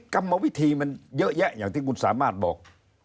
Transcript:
กรรมวิธีมันเยอะแยะอย่างที่คุณสามารถบอก